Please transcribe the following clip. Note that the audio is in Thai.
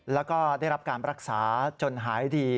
แล้วก็ได้รับการรักษาจนหายดี